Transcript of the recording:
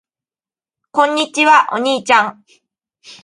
こんにちは。お兄ちゃん。